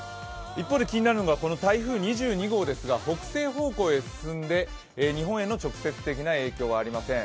一方で気になるのが台風２２号ですが北西方向へ進んで日本への直接的な影響はありません。